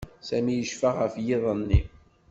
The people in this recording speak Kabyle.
Sami yecfa ɣef yiḍ-nni.